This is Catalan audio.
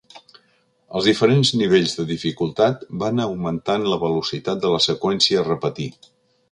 Els diferents nivells de dificultat van augmentant la velocitat de la seqüència a repetir.